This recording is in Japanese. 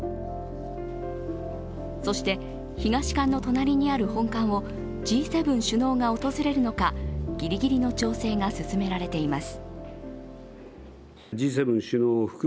そして、東館の隣にある本館をＧ７首脳が訪れるのか、ぎりぎりの調整が進められています。